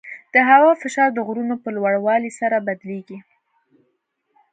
د هوا فشار د غرونو په لوړوالي سره بدلېږي.